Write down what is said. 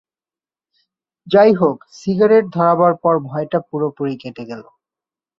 যাই হোক, সিগারেট ধরাবার পর ভয়টা পুরোপুরি কেটে গেল।